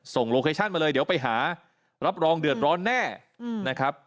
โลเคชั่นมาเลยเดี๋ยวไปหารับรองเดือดร้อนแน่นะครับ